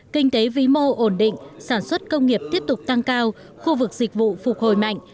kinh tế vĩ mô ổn định sản xuất công nghiệp tiếp tục tăng cao khu vực dịch vụ phục hồi mạnh